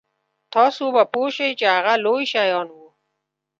تاسو به پوه شئ چې هغه لوی شیان وو.